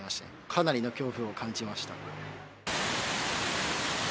かなりの恐怖を感じました。